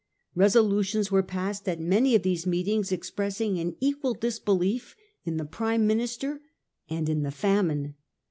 Kesolutions were passed at many of these meetings expressing an equal disbelief in the Prime Minister and in the famine.